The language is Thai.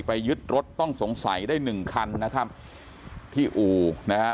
ยึดรถต้องสงสัยได้หนึ่งคันนะครับที่อู่นะฮะ